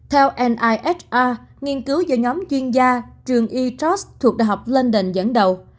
theo nihr nghiên cứu do nhóm chuyên gia trường e trust thuộc đại học london dẫn đầu